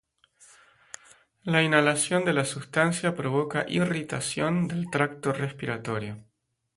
La inhalación de la sustancia provoca irritación del tracto respiratorio.